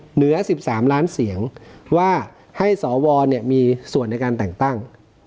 เหลือ๑๓ล้านเสียงว่าให้สวมีส่วนในการแต่งตั้ง